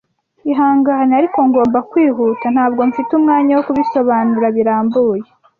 Ihangane, ariko ngomba kwihuta. Ntabwo mfite umwanya wo kubisobanura birambuye.